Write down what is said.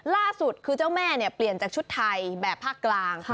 ล่าสุดคือเจ้าแม่เนี่ยเปลี่ยนจากชุดไทยแบบภาคกลาง